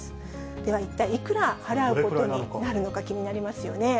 では一体いくら払うことになるのか気になりますよね。